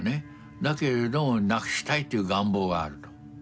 だけれどもなくしたいという願望があると。